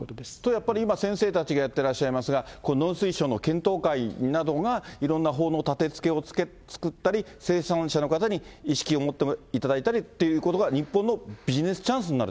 やっぱり今先生たちがやってらっしゃいますが、農水省の検討会などが、いろんな法の立てつけを作ったり、生産者の方に意識を持っていただいたりっていうことが、日本のビジネスチャンスにな